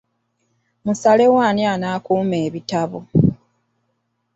Musalewo ani anaakuuma ebitabo.